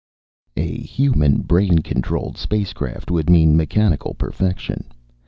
A human brain controlled spacecraft would mean mechanical perfection.